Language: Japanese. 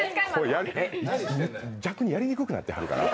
逆になりにくくなってはるから。